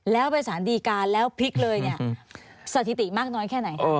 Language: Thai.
แล้วไปสารดีการแล้วพลิกเลยเนี่ยสถิติมากน้อยแค่ไหน